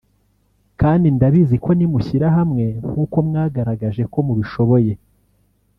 kandi ndabizi ko nimushyira hamwe nkuko mwagaragaje ko mubishoboye